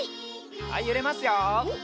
はいゆれますよ。